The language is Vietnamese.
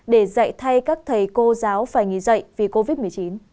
để dạy thay các thầy cô giáo phải nghỉ dạy vì covid một mươi chín